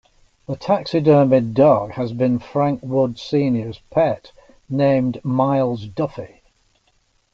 The taxidermied dog had been Frank Wood Sr.'s pet, named Miles Duffy.